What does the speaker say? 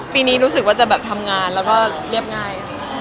ปีนี้รู้สึกว่าจะแบบทำงานแล้วก็เรียบง่าย